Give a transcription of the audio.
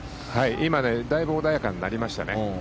今、だいぶ穏やかになりましたね。